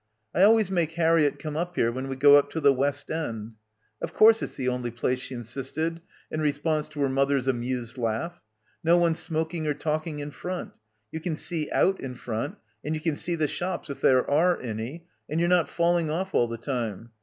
"I always make Harriett come up here when we go up to the West End." "Of course it's the only place," she insisted in response to her mother's amused laugh. "No one smoking or talking in front; you can see out in front and you can see the shops if there are any, and you're not falling off all the time.